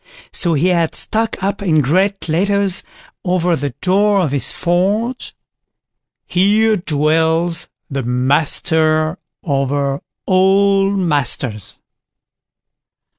So he had stuck up in great letters over the door of his forge: _"Here dwells the Master over all Masters."